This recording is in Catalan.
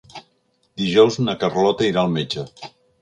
Dijous na Carlota irà al metge.